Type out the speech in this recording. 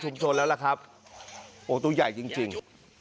ชุมชนแล้วล่ะครับโอ้ตัวใหญ่จริงจริง